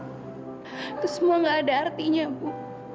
itu semua gak ada artinya bu